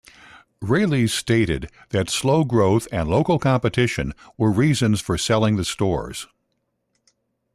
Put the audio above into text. Raley's stated that slow growth and local competition were reasons for selling the stores.